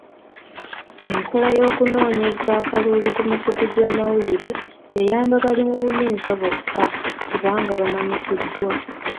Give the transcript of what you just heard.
Enkola y'okunoonyeza akalulu ku emikutu gy'amawulire eyamba bali mu buyinza bokka kubanga bamanyiddwa.